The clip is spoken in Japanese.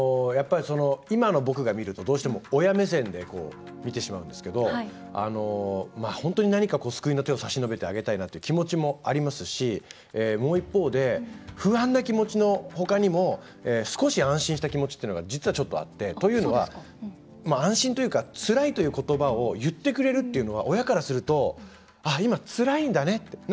今の僕が見るとどうしても親目線で見てしまうんですけど本当に何か救いの手を差し伸べてあげたいなっていう気持ちもありますし、もう一方で不安な気持ちのほかにも少し安心した気持ちっていうのが実は、ちょっとあってというのは、安心というかつらいということばを言ってくれるっていうのは親からすると今、つらいんだねって。